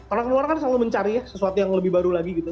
orang luar kan selalu mencari sesuatu yang lebih baru lagi gitu